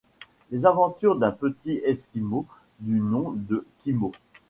Les aventures d'un petit esquimau du nom de Kimo.